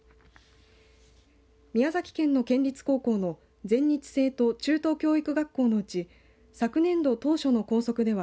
宮崎県の県立高校の全日制と中等教育学校のうち昨年度当初の拘束では